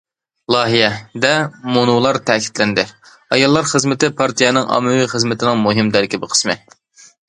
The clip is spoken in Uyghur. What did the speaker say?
« لايىھە» دە مۇنۇلار تەكىتلەندى: ئاياللار خىزمىتى پارتىيەنىڭ ئاممىۋى خىزمىتىنىڭ مۇھىم تەركىبىي قىسمى.